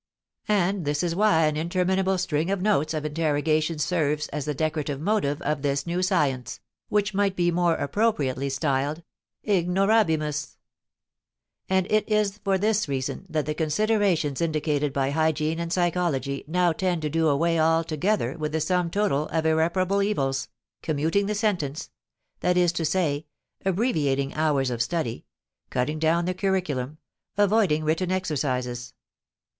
And this is why an interminable string of notes of interrogation serves as the decorative motive of this new science, which might be more appropriately styled: ignorabimus. And it is for this reason that the considerations indicated by hygiene and psychology now tend to do away altogether with the sum total of irreparable evils, "commuting the sentence," that is to say, abbreviating hours of study, cutting down the curriculum, avoiding written exercises.